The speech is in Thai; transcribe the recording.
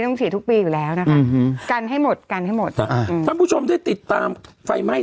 ต้องฉีดทุกปีอยู่แล้วนะคะกันให้หมดกันช่วยถึงติดตามไฟไหม้